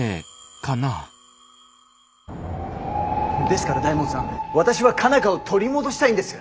ですから大門さん私は佳奈花を取り戻したいんです。